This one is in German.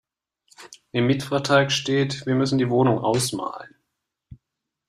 Im Mietvertrag steht, wir müssen die Wohnung ausmalen.